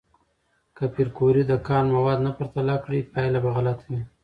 که پېیر کوري د کان مواد نه پرتله کړي، پایله به غلطه وي.